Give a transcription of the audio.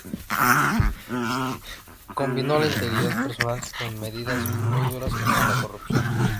Combinó la integridad personal con medidas muy duras contra la corrupción.